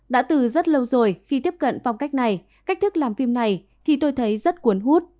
đã từ rất lâu rồi khi tiếp cận phong cách này cách thức làm phim này thì tôi thấy rất cuốn hút